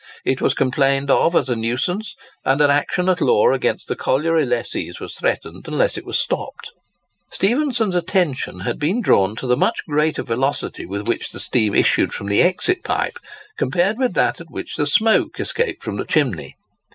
It was complained of as a nuisance; and an action at law against the colliery lessees was threatened unless it was stopped. Stephenson's attention had been drawn to the much greater velocity with which the steam issued from the exit pipe compared with that at which the smoke escaped from the chimney.